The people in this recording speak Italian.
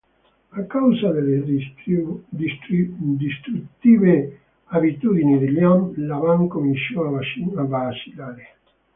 A causa delle distruttive abitudini di Liam, la band cominciò a vacillare.